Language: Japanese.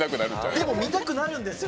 でも見たくなるんですよ。